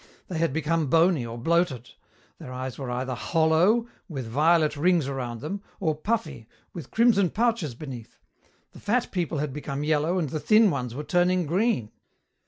They had become bony or bloated; their eyes were either hollow, with violet rings around them, or puffy, with crimson pouches beneath; the fat people had become yellow and the thin ones were turning green.